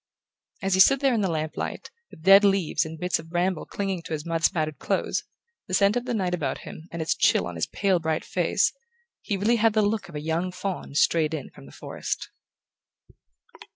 As he stood there in the lamp light, with dead leaves and bits of bramble clinging to his mud spattered clothes, the scent of the night about him and its chill on his pale bright face, he really had the look of a young faun strayed in from the forest.